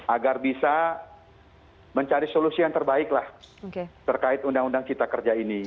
agar bisa mencari solusi yang terbaik lah terkait undang undang cipta kerja ini